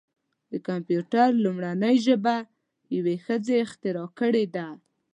د کمپیوټر لومړنۍ ژبه یوه ښځې اختراع کړې ده.